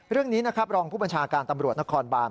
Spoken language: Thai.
เรื่องนี้รองผู้ปัญชาการตำรวจนครบาล